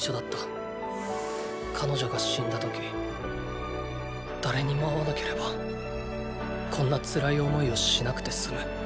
彼女が死んだ時ーー誰にも会わなければこんな辛い思いをしなくて済む。